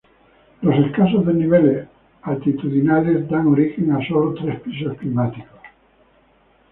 Los escasos desniveles altitudinales, dan origen a solo tres pisos climáticos.